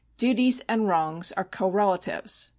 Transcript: Duties and wrongs are correlatives.